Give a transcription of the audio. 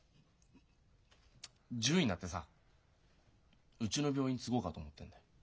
獣医になってさうちの病院継ごうかと思ってるんだ。